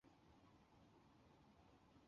具备处理行政事务之处所